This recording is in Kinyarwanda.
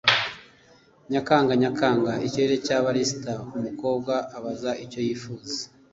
nyakanga nyakanga ikirere cya barista umukobwa abaza icyo yifuza